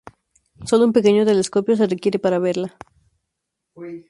Sólo un pequeño telescopio se requiere para verla.